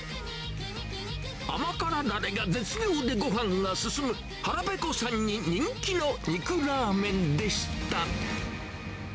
甘辛だれが絶妙でごはんが進む、腹ぺこさんに人気の肉ラーメンでした。